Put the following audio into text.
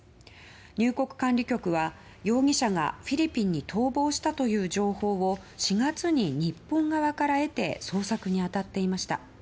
入国管理局は、容疑者がフィリピンに逃亡したという情報を４月に日本側から得て捜索に当たっていました。